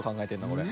これ。